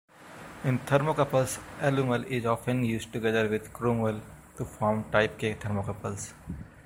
In thermocouples, alumel is often used together with chromel to form type K thermocouples.